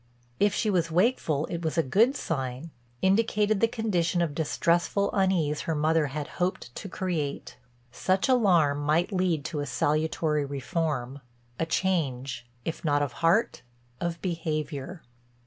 If she was wakeful it was a good sign, indicated the condition of distressful unease her mother had hoped to create. Such alarm might lead to a salutory reform, a change, if not of heart, of behavior.